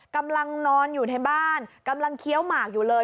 กำลังนอนอยู่ในบ้านกำลังเคี้ยวหมากอยู่เลย